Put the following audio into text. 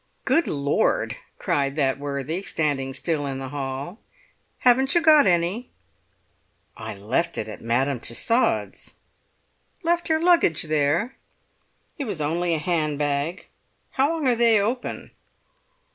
"Good Lord!" cried that worthy, standing still in the hall. "Haven't you got any?" "I left it at Madame Tussaud's!" "Left your luggage there?" "It was only a handbag. How long are they open?"